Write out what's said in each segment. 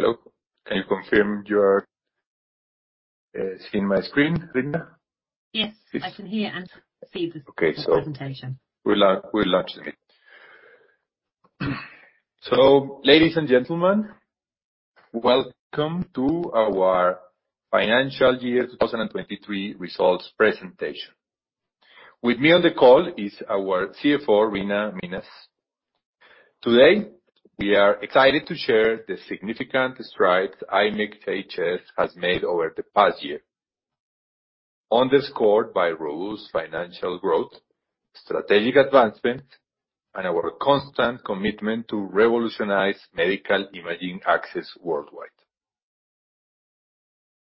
So, ladies and gentlemen, welcome to our financial year 2023 results presentation. With me on the call is our CFO, Reena Minhas. Today, we are excited to share the significant strides IMEXHS has made over the past year, underscored by robust financial growth, strategic advancement, and our constant commitment to revolutionize medical imaging access worldwide.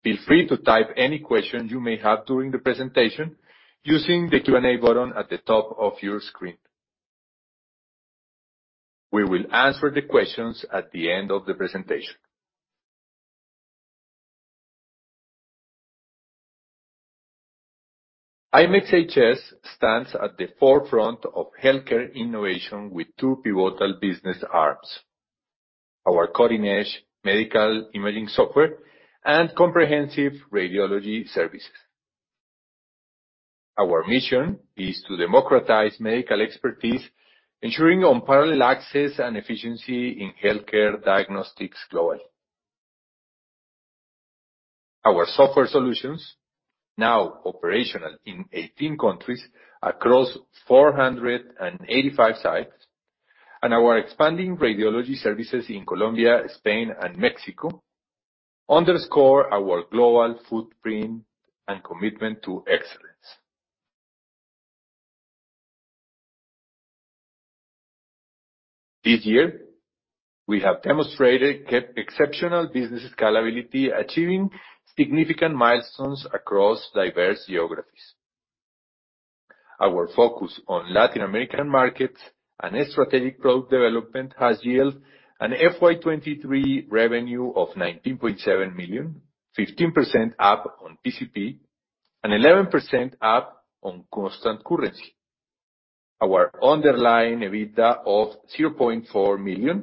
Feel free to type any questions you may have during the presentation using the Q&A button at the top of your screen. We will answer the questions at the end of the presentation. IMEXHS stands at the forefront of healthcare innovation with two pivotal business arms: our cutting-edge medical imaging software and comprehensive radiology services. Our mission is to democratize medical expertise, ensuring unparalleled access and efficiency in healthcare diagnostics globally. Our software solutions, now operational in 18 countries across 485 sites, and our expanding radiology services in Colombia, Spain, and Mexico, underscore our global footprint and commitment to excellence. This year, we have demonstrated exceptional business scalability, achieving significant milestones across diverse geographies. Our focus on Latin American markets and strategic product development has yielded an FY 2023 revenue of $19.7 million, 15% up on PCP, and 11% up on constant currency. Our underlying EBITDA of $0.4 million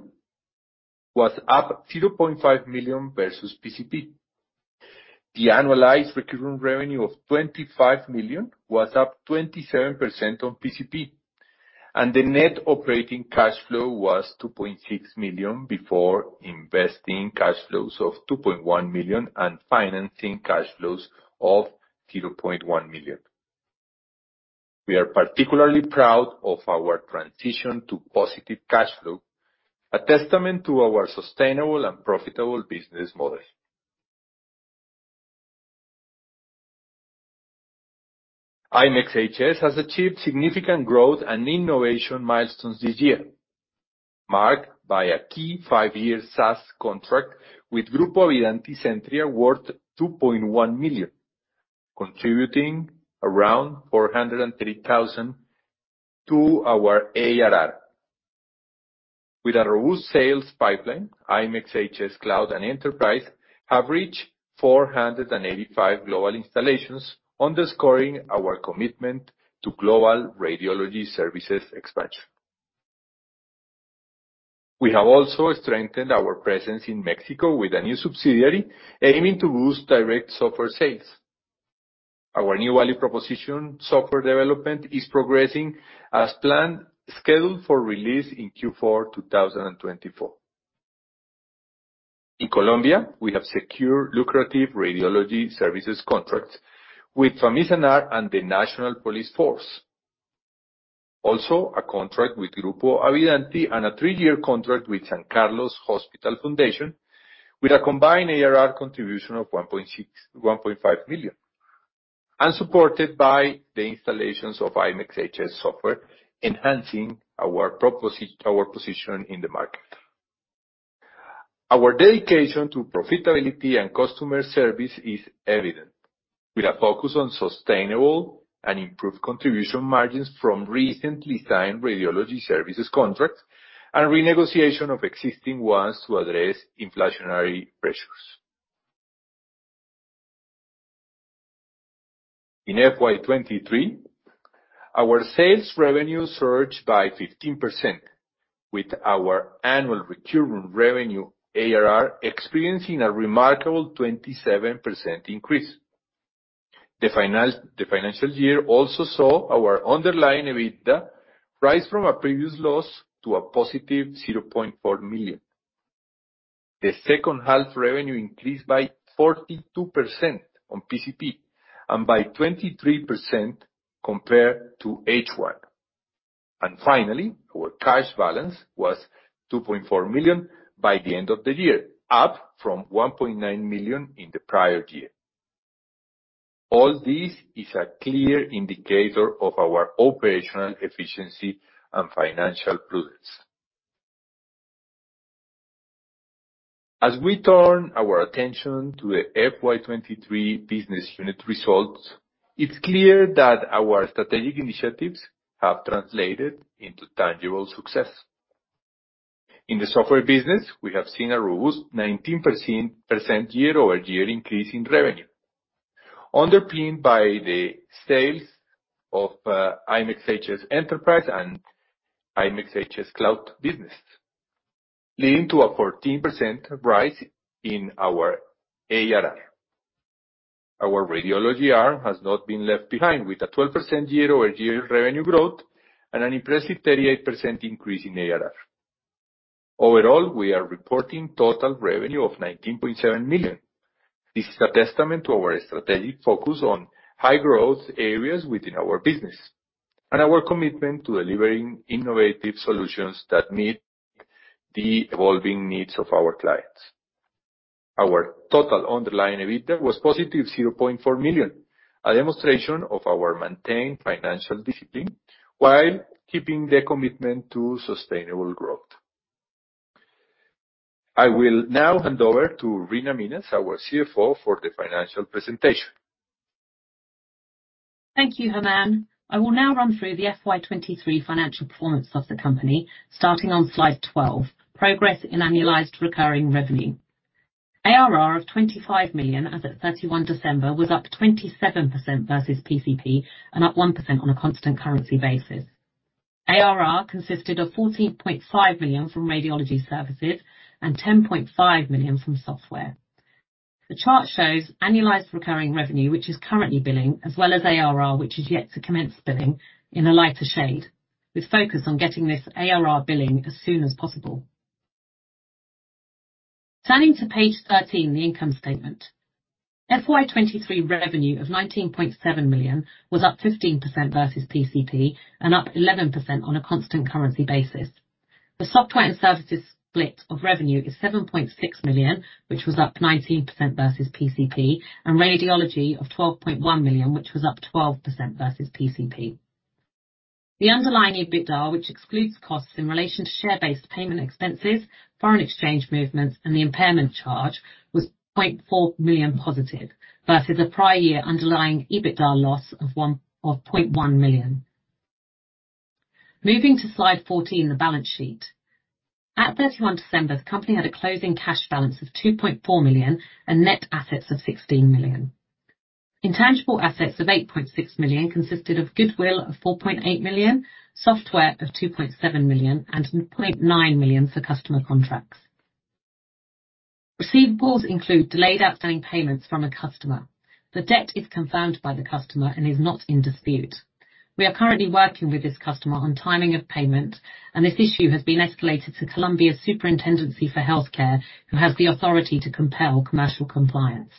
was up $0.5 million versus PCP. The annualized recurring revenue of $25 million was up 27% on PCP, and the net operating cash flow was $2.6 million before investing cash flows of $2.1 million, and financing cash flows of $0.1 million. We are particularly proud of our transition to positive cash flow, a testament to our sustainable and profitable business model. IMEXHS has achieved significant growth and innovation milestones this year, marked by a key five-year SaaS contract with Grupo Avidanti, Zentria, worth $2.1 million, contributing around $403,000 to our ARR. With a robust sales pipeline, IMEXHS Cloud and Enterprise have reached 485 global installations, underscoring our commitment to global radiology services expansion. We have also strengthened our presence in Mexico with a new subsidiary, aiming to boost direct software sales. Our new value proposition software development is progressing as planned, scheduled for release in Q4 2024. In Colombia, we have secured lucrative radiology services contracts with Famisanar and the National Police Force. Also, a contract with Grupo Avidanti, and a three-year contract with San Carlos Hospital Foundation, with a combined ARR contribution of $1.5 million, and supported by the installations of IMEXHS software, enhancing our position in the market. Our dedication to profitability and customer service is evident, with a focus on sustainable and improved contribution margins from recently signed radiology services contracts, and renegotiation of existing ones to address inflationary pressures. In FY 2023, our sales revenue surged by 15%, with our annual recurring revenue, ARR, experiencing a remarkable 27% increase. The financial year also saw our underlying EBITDA rise from a previous loss to a positive $0.4 million. The second half revenue increased by 42% on PCP, and by 23% compared to H1. Finally, our cash balance was $2.4 million by the end of the year, up from $1.9 million in the prior year. All this is a clear indicator of our operational efficiency and financial prudence. As we turn our attention to the FY 2023 business unit results, it's clear that our strategic initiatives have translated into tangible success. In the software business, we have seen a robust 19% year-over-year increase in revenue, underpinned by the sales of IMEXHS Enterprise and IMEXHS Cloud business, leading to a 14% rise in our ARR. Our radiology arm has not been left behind, with a 12% year-over-year revenue growth and an impressive 38% increase in ARR. Overall, we are reporting total revenue of $19.7 million. This is a testament to our strategic focus on high growth areas within our business, and our commitment to delivering innovative solutions that meet the evolving needs of our clients. Our total underlying EBITDA was positive $0.4 million, a demonstration of our maintained financial discipline, while keeping the commitment to sustainable growth. I will now hand over to Reena Minhas, our CFO, for the financial presentation. Thank you, German. I will now run through the FY 2023 financial performance of the company, starting on slide 12, Progress in Annualized Recurring Revenue. ARR of $25 million as at 31 December, was up 27% versus PCP, and up 1% on a constant currency basis. ARR consisted of $14.5 million from radiology services and $10.5 million from software. The chart shows annualized recurring revenue, which is currently billing, as well as ARR, which is yet to commence billing, in a lighter shade. We've focused on getting this ARR billing as soon as possible. Turning to page 13, the income statement. FY 2023 revenue of $19.7 million was up 15% versus PCP, and up 11% on a constant currency basis. The software and services split of revenue is $7.6 million, which was up 19% versus PCP, and radiology of $12.1 million, which was up 12% versus PCP. The underlying EBITDA, which excludes costs in relation to share-based payment expenses, foreign exchange movements, and the impairment charge, was $0.4 million positive, versus the prior year underlying EBITDA loss of $0.1 million. Moving to slide 14, the balance sheet. At 31 December, the company had a closing cash balance of $2.4 million and net assets of $16 million. Intangible assets of $8.6 million consisted of goodwill of $4.8 million, software of $2.7 million, and $0.9 million for customer contracts. Receivables include delayed outstanding payments from a customer. The debt is confirmed by the customer and is not in dispute. We are currently working with this customer on timing of payment, and this issue has been escalated to Colombia's Superintendency for Healthcare, who has the authority to compel commercial compliance.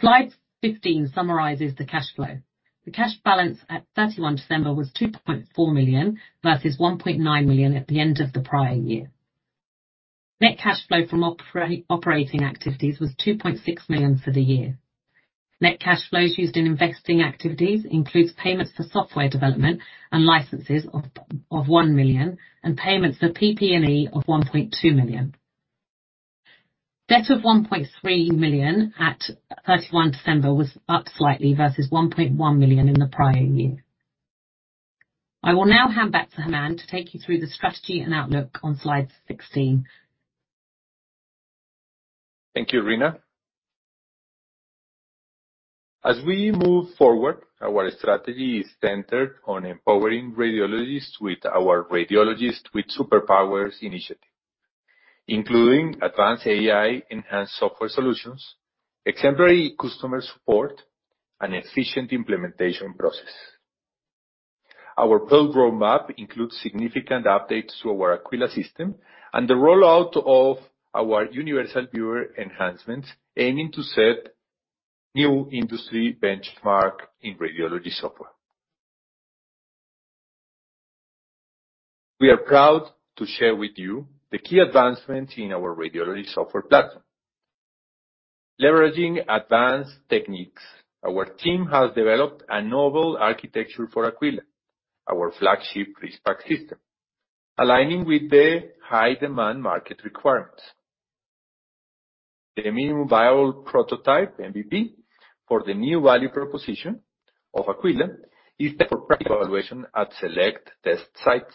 Slide 15 summarizes the cash flow. The cash balance at 31 December was $2.4 million versus $1.9 million at the end of the prior year. Net cash flow from operating activities was $2.6 million for the year. Net cash flows used in investing activities includes payments for software development and licenses of $1 million, and payments for PP&E of $1.2 million. Debt of $1.3 million at 31 December was up slightly versus $1.1 million in the prior year. I will now hand back to German to take you through the strategy and outlook on slide 16. Thank you, Reena. As we move forward, our strategy is centered on empowering radiologists with our Radiologists with Superpowers initiative, including advanced AI-enhanced software solutions, exemplary customer support, and efficient implementation process. Our product roadmap includes significant updates to our Aquila system and the rollout of our Universal Viewer enhancements, aiming to set new industry benchmark in radiology software. We are proud to share with you the key advancements in our radiology software platform. Leveraging advanced techniques, our team has developed a novel architecture for Aquila, our flagship RIS/PACS system, aligning with the high-demand market requirements. The minimum viable prototype, MVP, for the new value proposition of Aquila is for evaluation at select test sites.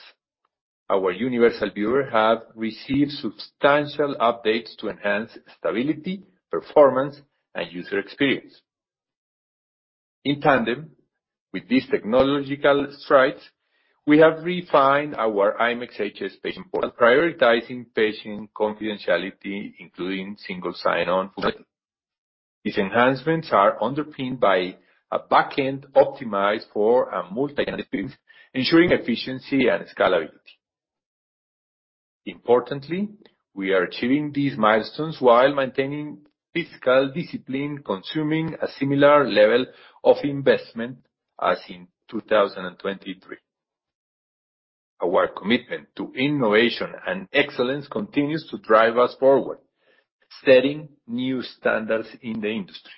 Our Universal Viewer have received substantial updates to enhance stability, performance, and user experience. In tandem with these technological strides, we have refined our IMEXHS Patient Portal, prioritizing patient confidentiality, including single sign-on. These enhancements are underpinned by a back end optimized for a multi-tenancy, ensuring efficiency and scalability. Importantly, we are achieving these milestones while maintaining fiscal discipline, consuming a similar level of investment as in 2023. Our commitment to innovation and excellence continues to drive us forward, setting new standards in the industry.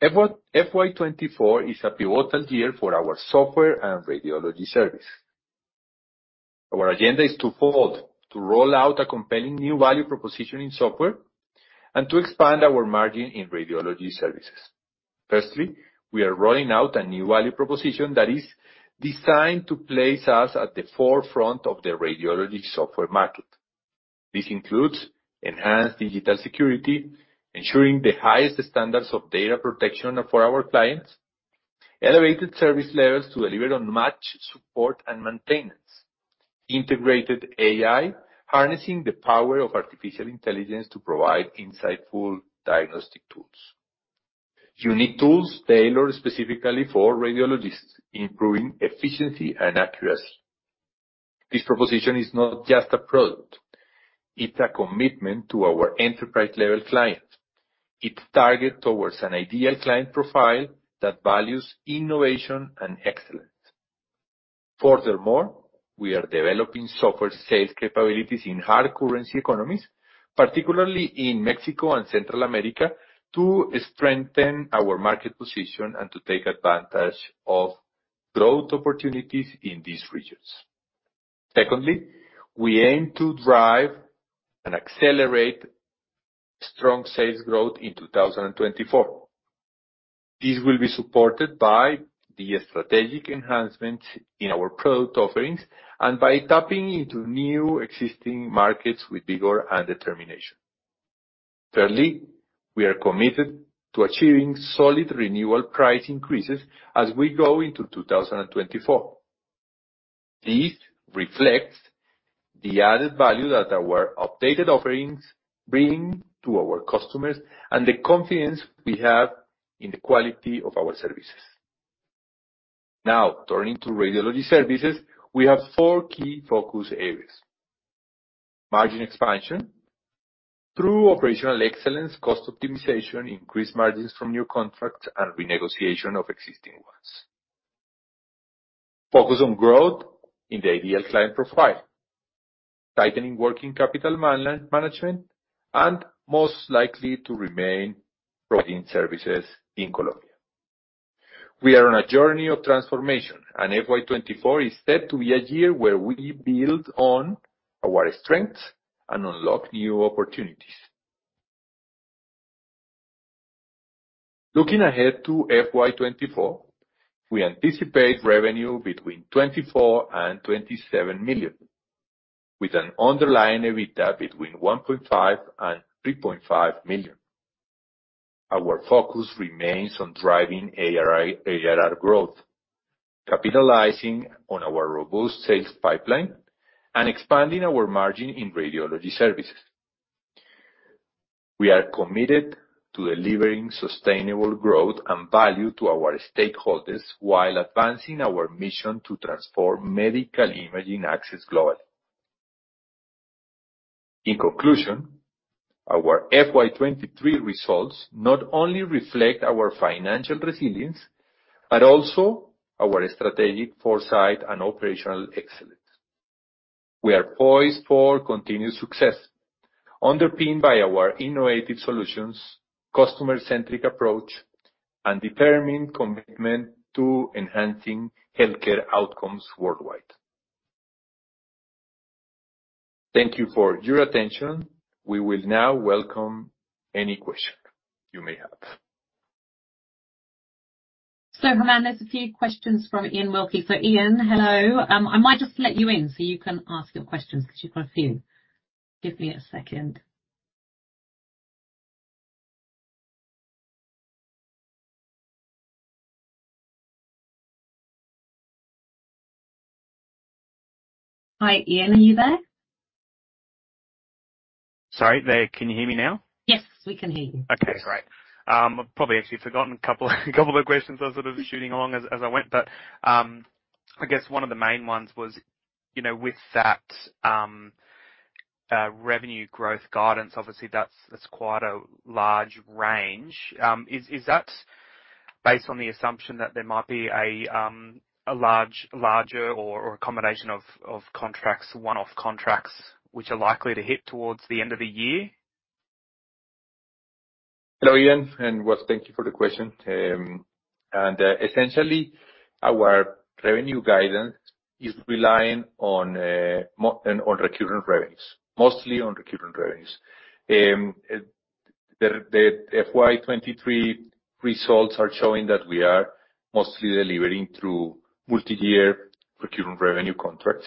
FY 2024 is a pivotal year for our software and radiology service. Our agenda is twofold: to roll out a compelling new value proposition in software-... and to expand our margin in radiology services. Firstly, we are rolling out a new value proposition that is designed to place us at the forefront of the radiology software market. This includes enhanced digital security, ensuring the highest standards of data protection for our clients, elevated service levels to deliver unmatched, support, and maintenance, integrated AI, harnessing the power of artificial intelligence to provide insightful diagnostic tools. Unique tools tailored specifically for radiologists, improving efficiency and accuracy. This proposition is not just a product, it's a commitment to our enterprise-level client. It's targeted towards an ideal client profile that values innovation and excellence. Furthermore, we are developing software sales capabilities in hard currency economies, particularly in Mexico and Central America, to strengthen our market position and to take advantage of growth opportunities in these regions. Secondly, we aim to drive and accelerate strong sales growth in 2024. This will be supported by the strategic enhancement in our product offerings and by tapping into new existing markets with vigor and determination. Thirdly, we are committed to achieving solid renewal price increases as we go into 2024. This reflects the added value that our updated offerings bring to our customers and the confidence we have in the quality of our services. Now, turning to radiology services, we have four key focus areas: margin expansion through operational excellence, cost optimization, increased margins from new contracts, and renegotiation of existing ones. Focus on growth in the ideal client profile, tightening working capital management, and most likely to remain providing services in Colombia. We are on a journey of transformation, and FY 2024 is set to be a year where we build on our strengths and unlock new opportunities. Looking ahead to FY 2024, we anticipate revenue between $24 million and $27 million, with an underlying EBITDA between $1.5 million and $3.5 million. Our focus remains on driving ARR growth, capitalizing on our robust sales pipeline, and expanding our margin in radiology services. We are committed to delivering sustainable growth and value to our stakeholders while advancing our mission to transform medical imaging access globally. In conclusion, our FY 2023 results not only reflect our financial resilience, but also our strategic foresight and operational excellence. We are poised for continued success, underpinned by our innovative solutions, customer-centric approach, and determined commitment to enhancing healthcare outcomes worldwide. Thank you for your attention. We will now welcome any question you may have. So, German, there's a few questions from Iain Wilkie. So, Iain, hello. I might just let you in so you can ask your questions, because you've got a few. Give me a second. Hi, Iain, are you there? Sorry, there. Can you hear me now? Yes, we can hear you. Okay, great. I've probably actually forgotten a couple, a couple of questions I was sort of shooting along as, as I went, but, I guess one of the main ones was, you know, with that, revenue growth guidance, obviously that's, that's quite a large range. Is, is that based on the assumption that there might be a, a large-larger or, or a combination of, of contracts, one-off contracts, which are likely to hit towards the end of the year? Hello, Iain, and well, thank you for the question. Essentially, our revenue guidance is relying on recurrent revenues, mostly on recurrent revenues. The FY 2023 results are showing that we are mostly delivering through multi-year recurring revenue contracts.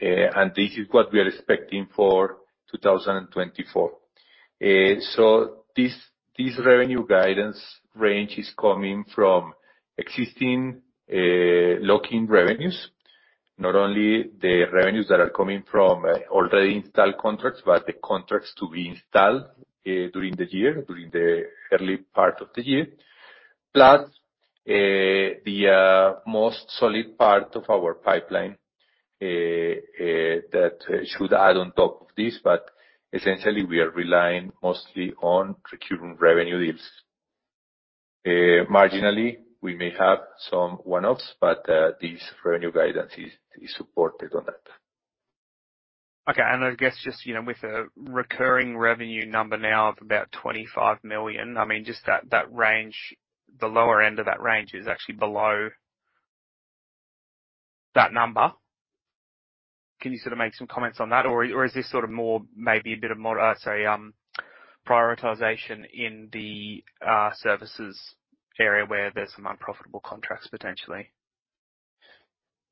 And this is what we are expecting for 2024. So this revenue guidance range is coming from existing lock-in revenues. Not only the revenues that are coming from already installed contracts, but the contracts to be installed during the year, during the early part of the year. Plus the most solid part of our pipeline that should add on top of this, but essentially, we are relying mostly on recurring revenue deals. Marginally, we may have some one-offs, but this revenue guidance is supported on that. Okay. And I guess just, you know, with a recurring revenue number now of about $25 million, I mean, just that, that range, the lower end of that range is actually below that number? Can you sort of make some comments on that, or is this sort of more maybe a bit of more prioritization in the services area where there's some unprofitable contracts potentially?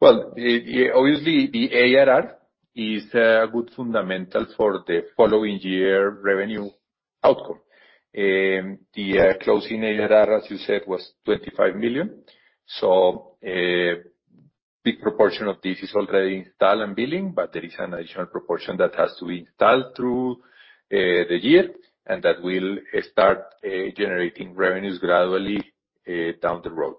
Well, yeah, obviously, the ARR is a good fundamental for the following year revenue outcome. The closing ARR, as you said, was $25 million. So, big proportion of this is already installed and billing, but there is an additional proportion that has to be installed through the year, and that will start generating revenues gradually down the road.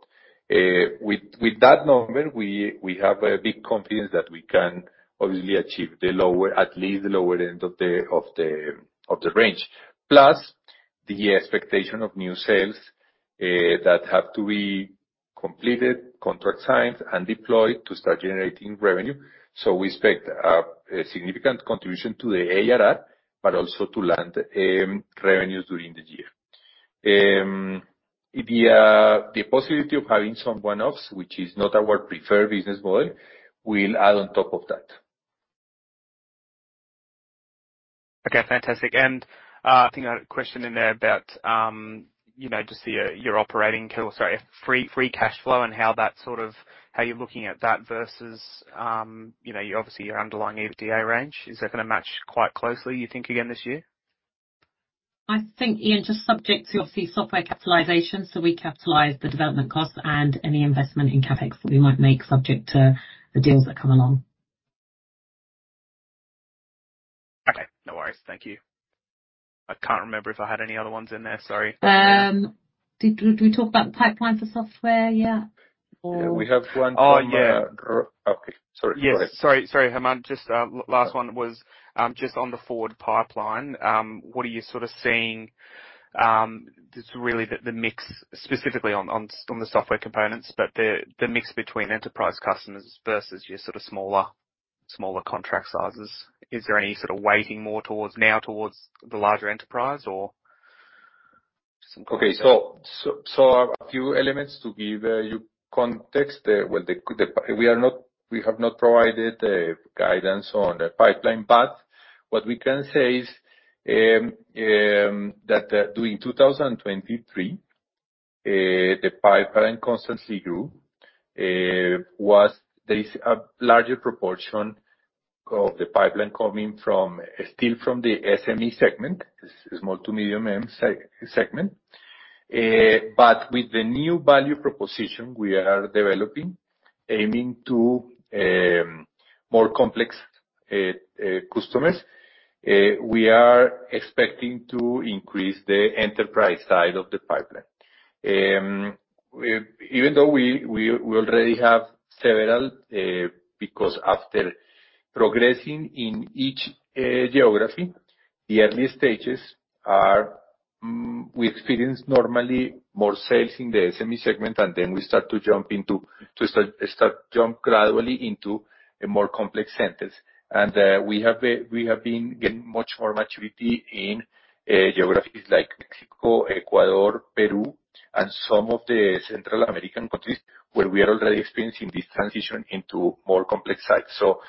With that number, we have a big confidence that we can obviously achieve the lower, at least the lower end of the, of the, of the range, plus the expectation of new sales that have to be completed, contract signed, and deployed to start generating revenue. So we expect a significant contribution to the ARR, but also to land revenues during the year. The possibility of having some one-offs, which is not our preferred business model, will add on top of that. Okay, fantastic. I think I had a question in there about, you know, just your free cashflow and how that sort of, how you're looking at that versus, you know, obviously your underlying EBITDA range. Is that gonna match quite closely, you think again, this year? I think, Iain, just subject to obviously software capitalization, so we capitalize the development costs and any investment in CapEx that we might make subject to the deals that come along. Okay, no worries. Thank you. I can't remember if I had any other ones in there, sorry. Did we talk about the pipeline for software yet, or? Yeah, we have one from- Oh, yeah. Okay. Sorry, go ahead. Yes. Sorry, sorry, German. Just last one was just on the forward pipeline. What are you sort of seeing just really the mix specifically on the software components, but the mix between enterprise customers versus your sort of smaller contract sizes. Is there any sort of weighting more towards now towards the larger enterprise or some- Okay. A few elements to give you context. We are not—we have not provided guidance on the pipeline, but what we can say is that during 2023, the pipeline constantly grew. There is a larger proportion of the pipeline coming from, still from the SME segment, small to medium segment. But with the new value proposition we are developing, aiming to more complex customers, we are expecting to increase the enterprise side of the pipeline. Even though we already have several, because after progressing in each geography, the early stages are we experience normally more sales in the SME segment, and then we start to jump gradually into a more complex centers. We have been getting much more maturity in geographies like Mexico, Ecuador, Peru, and some of the Central American countries, where we are already experiencing this transition into more complex sites. So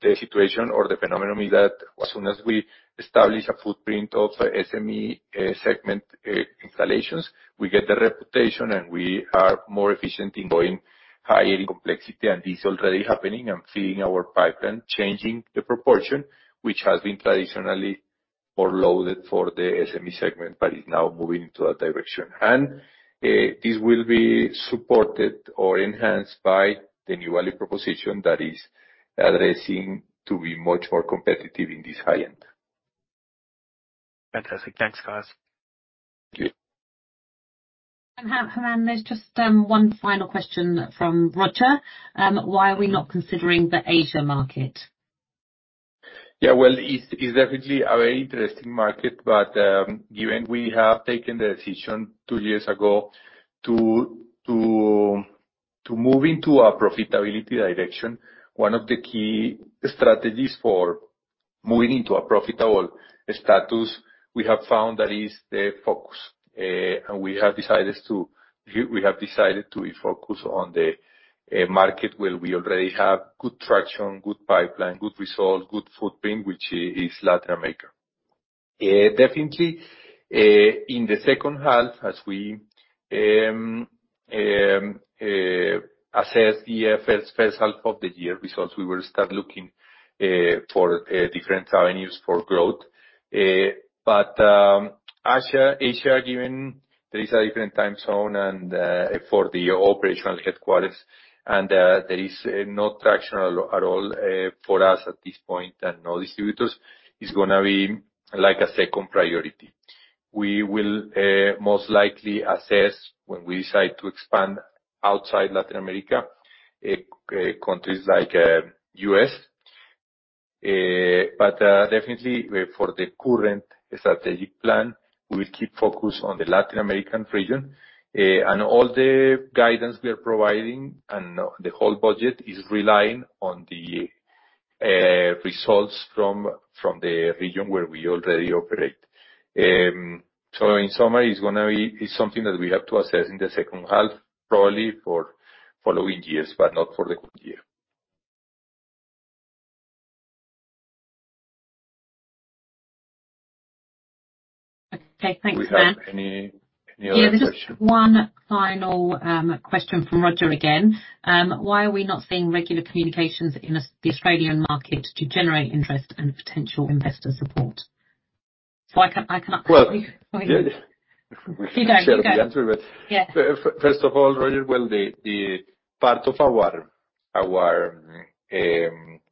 the situation or the phenomenon is that as soon as we establish a footprint of SME segment installations, we get the reputation, and we are more efficient in going higher in complexity, and this is already happening and feeding our pipeline, changing the proportion, which has been traditionally more loaded for the SME segment, but is now moving into a direction. And this will be supported or enhanced by the new value proposition that is addressing to be much more competitive in this high-end. Fantastic. Thanks, guys. Thank you. German, there's just one final question from Roger. Why are we not considering the Asia market? Yeah, well, it's definitely a very interesting market, but given we have taken the decision two years ago to move into a profitability direction, one of the key strategies for moving into a profitable status, we have found that is the focus. And we have decided to be focused on the market where we already have good traction, good pipeline, good result, good footprint, which is Latin America. Definitely, in the second half, as we assess the first half of the year results, we will start looking for different avenues for growth. But, Asia, given there is a different time zone and, for the operational headquarters, and, there is no traction at all, for us at this point, and no distributors, is gonna be like a second priority. We will, most likely assess when we decide to expand outside Latin America, countries like, U.S. But, definitely, for the current strategic plan, we will keep focused on the Latin American region, and all the guidance we are providing, and, the whole budget is relying on the results from, the region where we already operate. So in summary, it's gonna be it's something that we have to assess in the second half, probably for following years, but not for the current year. Okay, thanks, German. Do we have any other question? Yeah, there's just one final question from Roger again. Why are we not seeing regular communications in the Australian market to generate interest and potential investor support? So I can ask you. Well, yeah. You go, you go. Share the answer. Yeah. First of all, Roger, well, the part of our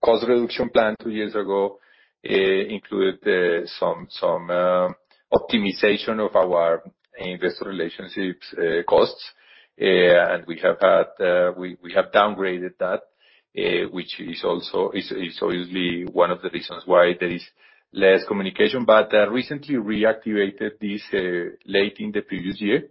cost reduction plan two years ago included some optimization of our investor relations costs. And we have downgraded that, which is also obviously one of the reasons why there is less communication. But recently reactivated this late in the previous year.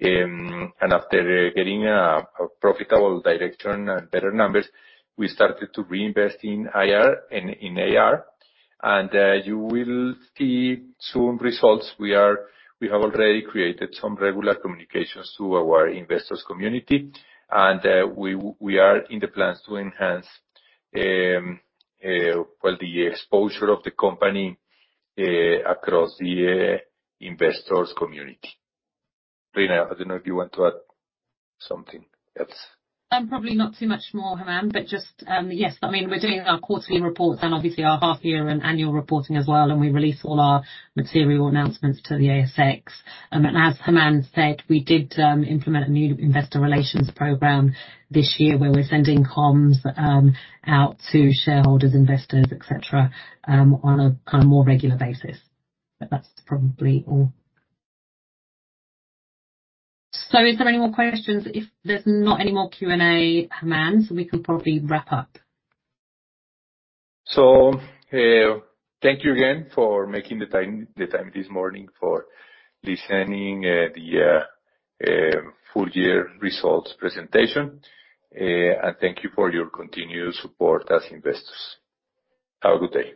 And after getting a profitable direction and better numbers, we started to reinvest in IR and in AR, and you will see soon results. We have already created some regular communications to our investors community, and we are in the plans to enhance, well, the exposure of the company across the investors community. Reena, I don't know if you want to add something else. Probably not too much more, German, but just, yes, I mean, we're doing our quarterly reports and obviously our half year and annual reporting as well, and we release all our material announcements to the ASX. As German said, we did implement a new investor relations program this year, where we're sending comms out to shareholders, investors, et cetera, on a more regular basis. That's probably all. Is there any more questions? If there's not any more Q&A, German, we can probably wrap up. Thank you again for making the time this morning for listening to the full year results presentation. Thank you for your continued support as investors. Have a good day.